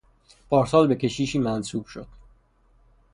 پارسال به کشیشی منصوب شد.